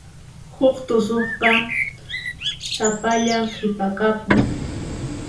Huk tusuqqa sapallan qhipakapun.